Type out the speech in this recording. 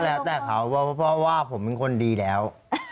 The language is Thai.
ก็แล้วแต่เขาว่าผมเป็นคนดีแล้ว